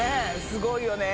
すごいよね。